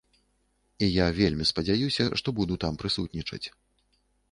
І я вельмі спадзяюся, што буду там прысутнічаць.